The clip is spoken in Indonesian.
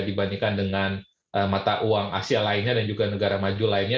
dibandingkan dengan mata uang asia lainnya dan juga negara maju lainnya